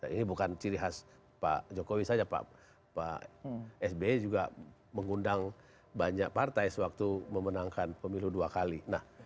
ini bukan ciri khas pak jokowi saja pak sby juga mengundang banyak partai sewaktu memenangkan pemilu dua kali